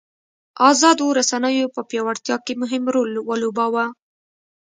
ازادو رسنیو په پیاوړتیا کې مهم رول ولوباوه.